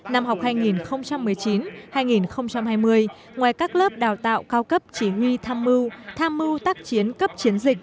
năm học hai nghìn một mươi chín hai nghìn hai mươi ngoài các lớp đào tạo cao cấp chỉ huy tham mưu tham mưu tác chiến cấp chiến dịch